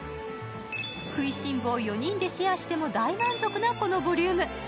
食いしん坊４人でシェアしても大満足なこのボリューム。